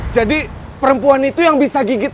jadi perempuan itu yang bisa gigit